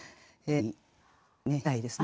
いいですね。